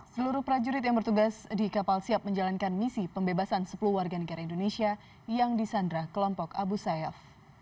seluruh prajurit yang bertugas di kapal siap menjalankan misi pembebasan sepuluh warga negara indonesia yang disandra kelompok abu sayyaf